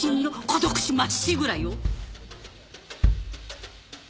孤独死まっしぐらよ。